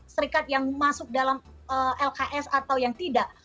serikat yang masuk dalam lks atau yang tidak